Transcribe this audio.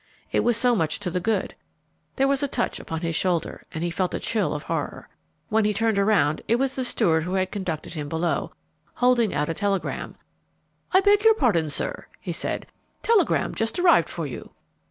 It was so much to the good.... There was a touch upon his shoulder, and he felt a chill of horror. When he turned around, it was the steward who had conducted him below, holding out a telegram. "I beg your pardon, sir," he said. "Telegram just arrived for you."